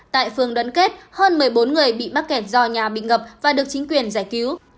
tại phường đoàn kết hơn một mươi bốn người bị mắc kẹt do nhà bị ngập và được chính quyền giải cứu